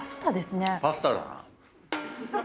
パスタだな。